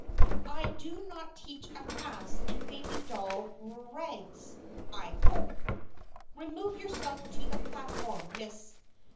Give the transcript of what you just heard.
I do not teach a class in baby doll r r rags, I hope! Remove yourself to the platform, Miss.